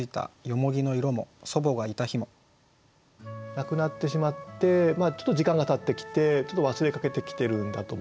亡くなってしまってちょっと時間がたってきてちょっと忘れかけてきてるんだと思うんですね。